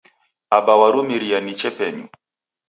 Aba warumiria niche penyu.